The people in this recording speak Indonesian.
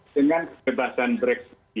dengan kebebasan brexit